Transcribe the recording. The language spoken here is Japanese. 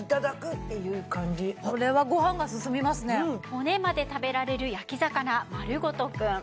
骨まで食べられる焼き魚まるごとくん。